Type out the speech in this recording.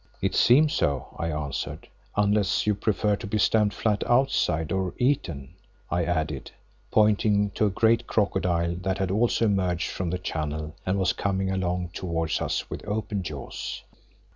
"It seems so," I answered, "unless you prefer to be stamped flat outside—or eaten," I added, pointing to a great crocodile that had also emerged from the channel and was coming along towards us with open jaws.